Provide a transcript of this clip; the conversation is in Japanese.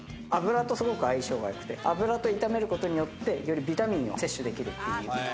油とすごく相性が良くて油と炒めることによって、よりビタミンを摂取できる。